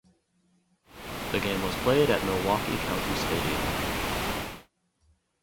The game was played at Milwaukee County Stadium.